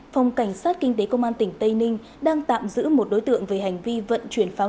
phòng cảnh sát kinh tế công an tỉnh tây ninh đang tạm giữ một đối tượng về hành vi vận chuyển pháo